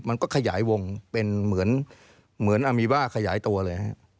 มันก็ขยายวงเป็นเหมือนอามีบ้าขยายตัวเลยฮะ